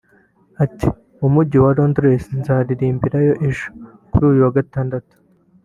Ati “Mu Mujyi wa Londres nzaririmbirayo ejo [kuri uyu wa Gatandatu]